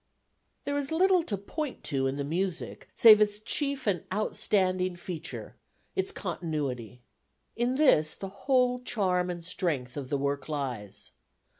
There is little to point to in the music save its chief and outstanding feature, its continuity. In this the whole charm and strength of the work lies.